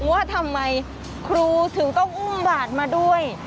ว่าทำไมครูถึงต้องอุ้มบาทมาด้วย